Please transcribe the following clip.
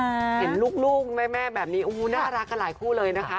เห็นลูกแม่แบบนี้โอ้โหน่ารักกันหลายคู่เลยนะคะ